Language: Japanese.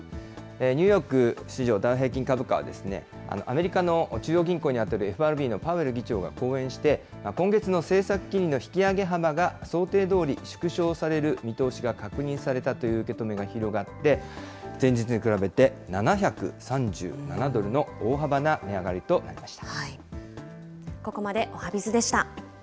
ニューヨーク市場ダウ平均株価は、アメリカの中央銀行に当たるＦＲＢのパウエル議長が講演して、今月の政策金利の引き上げ幅が想定どおり縮小される見通しが確認されたという受け止めが広がって、前日に比べて７３７ドルの大幅な値上がりとなりました。